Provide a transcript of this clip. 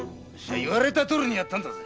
言われたとおりにやったんだぜ。